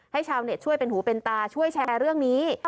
ชาวเน็ตช่วยเป็นหูเป็นตาช่วยแชร์เรื่องนี้